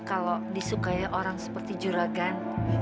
kalau disukai orang seperti juragan